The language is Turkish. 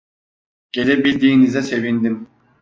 Gelebildiğinize sevindim.